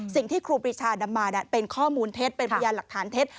ครูปรีชานำมาเป็นข้อมูลเท็จเป็นพยานหลักฐานเท็จ